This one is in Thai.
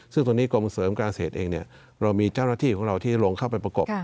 ซึ่งตอนนี้กรมเสริมการเกษตรเองเรามีเจ้าหน้าที่ของเราที่ลงเข้าไปประกบ